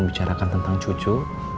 bicarakan tentang cucu